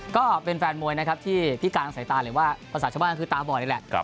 ก็เป็นแฟนมวยนะครับที่พิการสายตาหรือว่าภาษาชาวบ้านคือตาบอดนี่แหละ